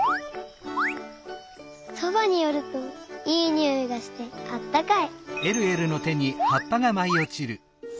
そばによるといいにおいがしてあったかい。